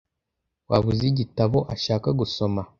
Waba uzi igitabo ashaka gusoma?